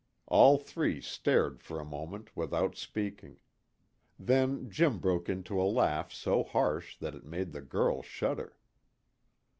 All three stared for a moment without speaking. Then Jim broke into a laugh so harsh that it made the girl shudder.